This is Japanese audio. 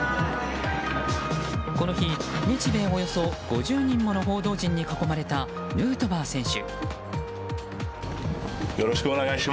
この日、日米およそ５０人もの報道陣に囲まれたヌートバー選手。